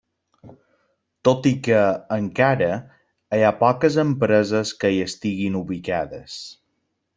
Tot i que, encara, hi ha poques empreses que hi estiguin ubicades.